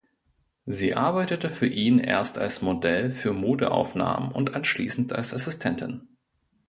Sie arbeitete für ihn erst als Modell für Modeaufnahmen und anschließend als Assistentin.